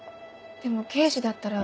でも刑事だったら。